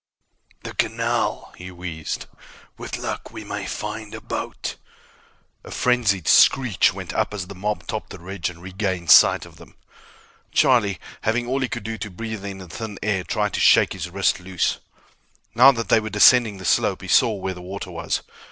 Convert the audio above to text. "The canal," he wheezed. "With luck, we may find a boat." A frenzied screech went up as the mob topped the ridge and regained sight of them. Charlie, having all he could do to breathe in the thin air, tried to shake his wrist loose. Now that they were descending the slope, he saw where the water was.